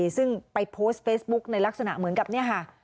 ซึ่งไปโพสต์เฟซบุ๊กในลักษณะเหมือนกับเนี่ยค่ะ